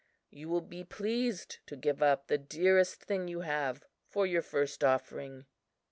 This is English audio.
You will be pleased to give up the dearest thing you have for your first offering.